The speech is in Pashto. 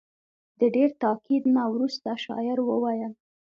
د ډېر تاکید نه وروسته شاعر وویل.